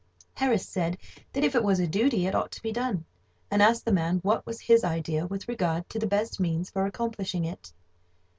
Harris said that if it was a duty it ought to be done, and asked the man what was his idea with regard to the best means for accomplishing it.